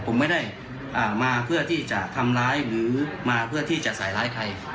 ผมไม่ได้มาเพื่อที่จะทำร้ายหรือมาเพื่อที่จะใส่ร้ายใคร